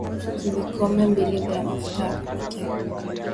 vikombe mbili vya mafuta ya kupikia